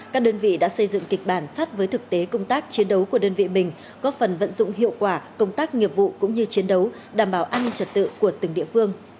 các đơn vị đã xây dựng kịch bản sát với thực tế công tác chiến đấu của đơn vị mình góp phần vận dụng hiệu quả công tác nghiệp vụ cũng như chiến đấu đảm bảo an ninh trật tự của từng địa phương